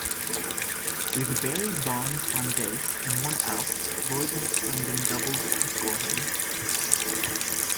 With Barry Bonds on base and one out, Lloyd McClendon doubled to score him.